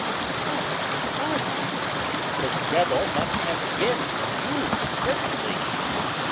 And such a sum! The devil must have been in you certainly!"